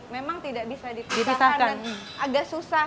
memang tidak bisa dipisahkan dan agak susah